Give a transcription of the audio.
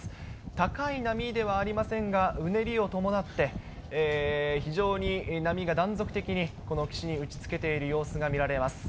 高い波ではありませんが、うねりを伴って、非常に波が断続的に岸に打ちつけている様子が見られます。